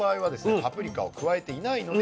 パプリカを加えていないので。